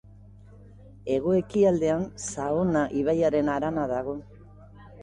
Hego-ekialdean Saona ibaiaren harana dago.